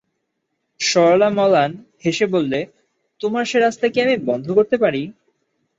সরলা মলান হেসে বললে, তোমার সে রাস্তা কি আমি বন্ধ করতে পারি।